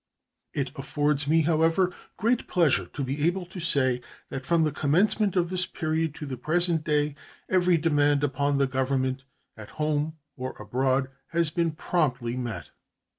It affords me, however, great pleasure to be able to say that from the commencement of this period to the present day every demand upon the Government, at home or abroad, has been promptly met.